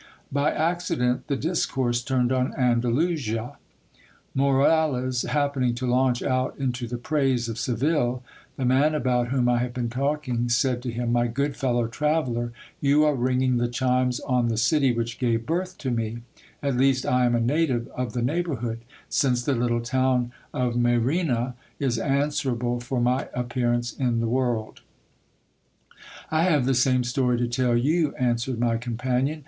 By accident the dis course turned on Andalusia. Moralez happening to launch out into the praise of Seville, the man about whom I have been talking said to him — My good fellow traveller, you are ringing the chimes on the city which gave birth to me ; at least I am a native of the neighbourhood, since the little town of Mayrena is answerable for my appearance in the world. I have the same story to tell you, answered my companion.